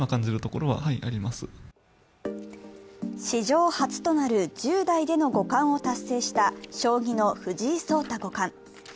史上初となる１０代での五冠を達成した将棋の藤井聡太五冠。